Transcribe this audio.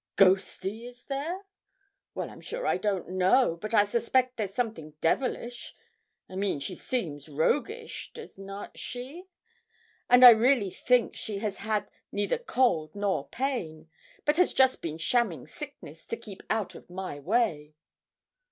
'Ghosty is there? well, I'm sure I don't know, but I suspect there's something devilish I mean, she seems roguish does not she? And I really think she has had neither cold nor pain, but has just been shamming sickness, to keep out of my way.'